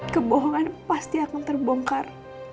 kebohongan pasti akan terbongkar